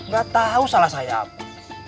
gatau salah saya apa